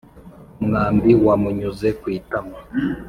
umwambi wamunyuze kwitama